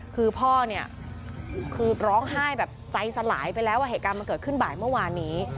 คือพ่อเนี่ยคือร้องไห้แบบใจสลายไปแล้วเหตุการณ์มันเกิดขึ้นบ่ายเมื่อวานนี้